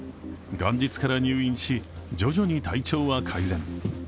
元日から入院し徐々に体調は改善。